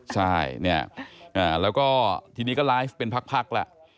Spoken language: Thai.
ใช่เนี่ยแล้วก็ทีนี้ก็ไลฟ์เป็นพักแล้ว